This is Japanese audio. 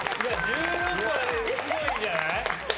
１６はすごいんじゃない？